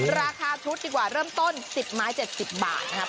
ราคาชุดดีกว่าเริ่มต้น๑๐ไม้๗๐บาทนะครับ